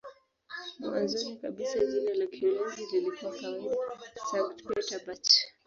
Mwanzoni kabisa jina la Kiholanzi lilikuwa kawaida "Sankt-Pieterburch".